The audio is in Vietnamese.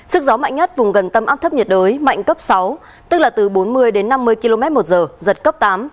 sức gió mạnh nhất vùng gần tâm áp thấp nhiệt đới mạnh cấp sáu tức là từ bốn mươi đến năm mươi km một giờ giật cấp tám